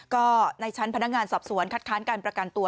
ก็ในชั้นพนักงานสอบสวนคัดค้านการประกันตัว